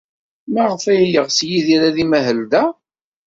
Maɣef ay yeɣs Yidir ad imahel da?